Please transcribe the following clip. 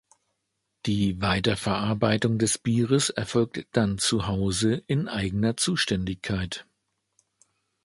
Die Weiterverarbeitung des Bieres erfolgt dann zu Hause in eigener Zuständigkeit.